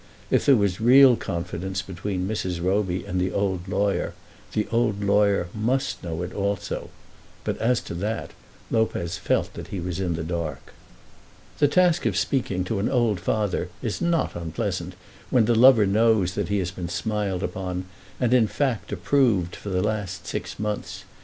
If there was real confidence between Mrs. Roby and the old lawyer, the old lawyer must know it also; but as to that Lopez felt that he was in the dark. The task of speaking to an old father is not unpleasant when the lover knows that he has been smiled upon, and, in fact, approved for the last six months.